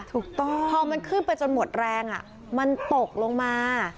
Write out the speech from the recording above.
ถูกต้องพอมันขึ้นไปจนหมดแรงมันตกลงมา